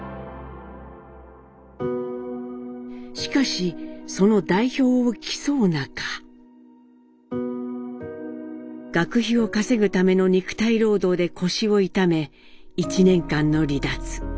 しかしその代表を競う中学費を稼ぐための肉体労働で腰を痛め１年間の離脱。